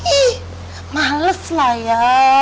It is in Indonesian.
ih males lah ya